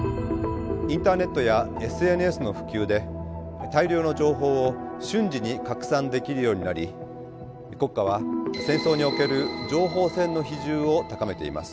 インターネットやＳＮＳの普及で大量の情報を瞬時に拡散できるようになり国家は戦争における情報戦の比重を高めています。